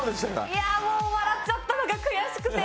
いやもう笑っちゃったのが悔しくて。